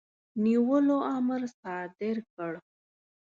نیولو امر صادر کړ.